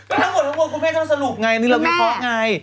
ทั้งหมดคุณแม่ก็สรุปไงนี่เราก็วิเคราะห์ไง